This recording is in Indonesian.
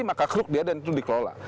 maka keruk dia dan itu dikelola